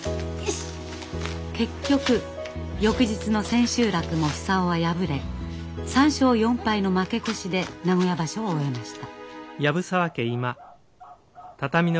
結局翌日の千秋楽も久男は敗れ３勝４敗の負け越しで名古屋場所を終えました。